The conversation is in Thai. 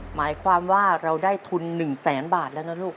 หมายความว่าเราได้ทุน๑แสนบาทแล้วนะลูก